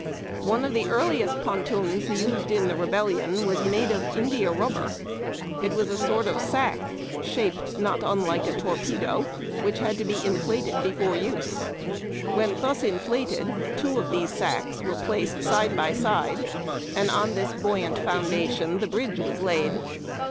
One of the earliest pontons used in the Rebellion was made of India rubber. It was a sort of sack, shaped not unlike a torpedo, which had to be inflated before use. When thus inflated, two of these sacks were placed side by side, and on this buoyant foundation the bridge was laid.